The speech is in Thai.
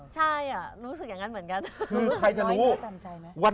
ใช่รู้สึกอย่างนั้นเหมือนกัน